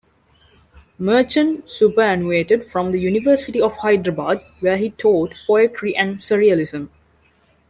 Merchant superannuated from the University of Hyderabad where he taught Poetry and Surrealism.